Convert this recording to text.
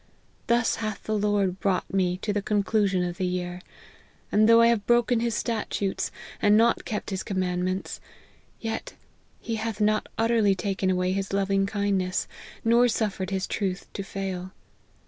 Thus hath the Lord brought me to the conclusion of the year ; and though I have broken his statutes, and not kept his command ments, yet he hath not utterly taken away his loving kindness, nor suffered his truth to fail.